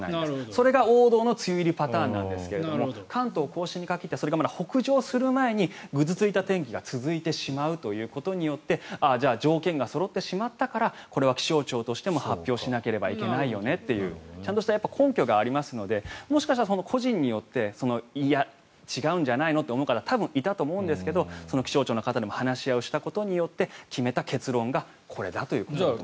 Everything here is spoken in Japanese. それが王道の梅雨入りパターンですが関東・甲信に限ってはそれが北上する前にぐずついた天気が続いてしまうということによって条件がそろってしまったからこれは気象庁としても発表しなければいけないよねというちゃんとした根拠がありますのでもしかしたら個人によっていや、違うんじゃないのと思う方も多分、いたと思うんですけど気象庁の方でも話し合いをしたことで決めた結論がこれだということです。